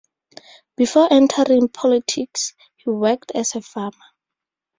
Before entering politics, he worked as a farmer.